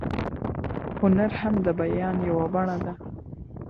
هنر هم د بیان یوه بڼه ده.